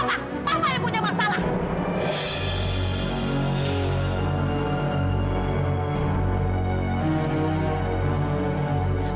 papa yang punya masalah